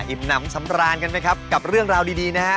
อิ่มหนำสำราญกันไหมครับ